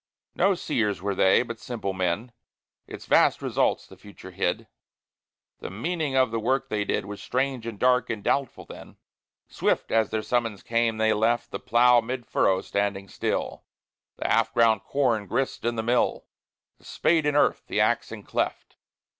No seers were they, but simple men; Its vast results the future hid: The meaning of the work they did Was strange and dark and doubtful then. Swift as their summons came they left The plough mid furrow standing still, The half ground corn grist in the mill, The spade in earth, the axe in cleft.